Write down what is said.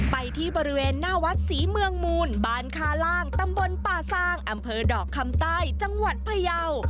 ไปที่บริเวณหน้าวัดศรีเมืองมูลบานคาล่างตำบลป่าซางอำเภอดอกคำใต้จังหวัดพยาว